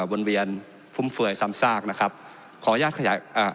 วนเวียนฟุ่มเฟื่อยซ้ำซากนะครับขออนุญาตขยายอ่า